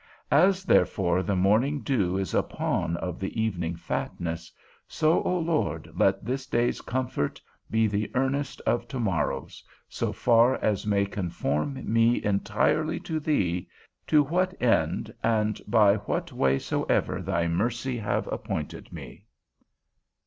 As therefore the morning dew is a pawn of the evening fatness, so, O Lord, let this day's comfort be the earnest of to morrow's, so far as may conform me entirely to thee, to what end, and by what way soever thy mercy have appointed me.